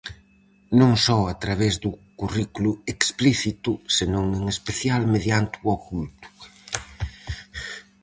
Non só a través do currículo explícito, senón en especial mediante o oculto.